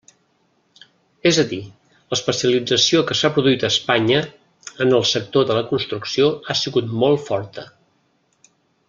És a dir, l'especialització que s'ha produït a Espanya en el sector de la construcció ha sigut molt forta.